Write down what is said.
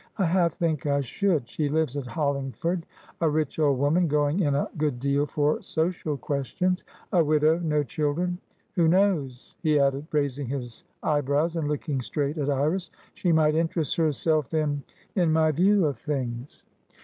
I half think I should. She lives at Hollingford; a rich old woman, going in a good deal for social questions. A widow, no children. Who knows?" he added, raising his, eyebrows and looking straight at Iris. "She might interest herself inin my view of things."